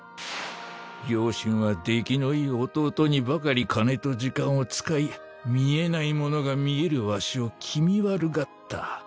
両親は出来のいい弟にばかり金と時間を使い見えないものが見えるわしを気味悪がった。